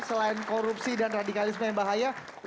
selain korupsi dan radikalisme yang bahaya